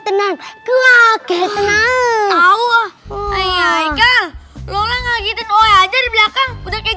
tenang gua kayaknya tahu iyai kalau ngagetin oleh aja di belakang udah kayak